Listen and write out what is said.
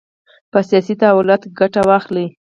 په سیاسي تحولاتو کې ګټه واخلي.